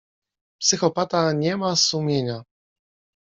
Psychopata nie ma sumienia.